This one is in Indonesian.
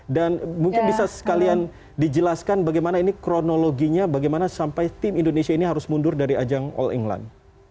dan mungkin bisa sekalian dijelaskan bagaimana ini kronologinya bagaimana sampai tim indonesia ini harus mundur dari ajang all england